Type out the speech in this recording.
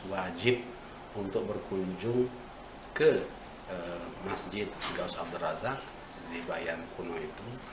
wajib untuk berkunjung ke masjid daudz abdul razak di bayan kuno itu